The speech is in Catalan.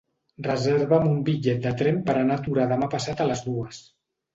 Reserva'm un bitllet de tren per anar a Torà demà passat a les dues.